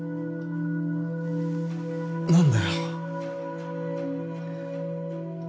何だよ？